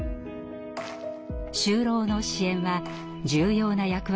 就労の支援は重要な役割の一つ。